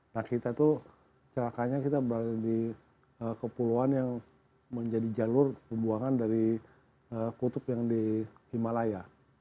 nah kita tuh celakanya kita berada di kepulauan yang menjadi jalur pembuangan dari kutub yang di himalaya